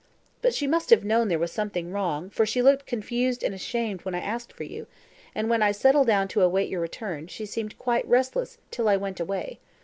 "But she must have known there was something wrong, for she looked confused and ashamed when I asked for you, and when I settled down to wait till your return, she seemed quite restless till I went away.